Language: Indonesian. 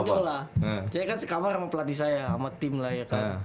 saya kan sekabar sama pelatih saya sama tim lah ya kan